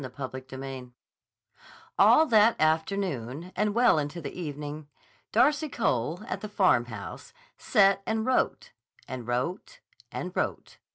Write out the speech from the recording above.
CHAPTER XVII ALL that afternoon and well into the evening, Darcy Cole, at the Farmhouse, sat and wrote and wrote and wrote.